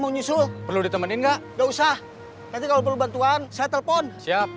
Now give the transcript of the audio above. mau nyusul perlu ditemani enggak usah nanti kalau bantuan saya telepon siap